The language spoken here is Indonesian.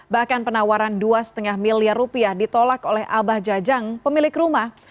bahkan penawaran dua lima miliar rupiah ditolak oleh abah jajang pemilik rumah